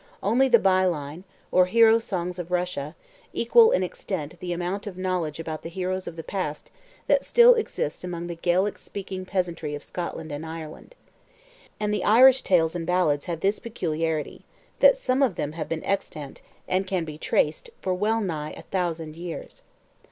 Only the byline, or hero songs of Russia, equal in extent the amount of knowledge about the heroes of the past that still exists among the Gaelic speaking peasantry of Scotland and Ireland. And the Irish tales and ballads have this peculiarity, that some of them have been extant, and can be traced, for well nigh a thousand years.